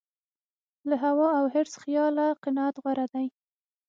له هوا او حرص خیاله قناعت غوره دی.